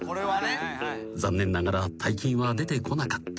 ［残念ながら大金は出てこなかった］